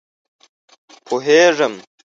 _پوهېږم.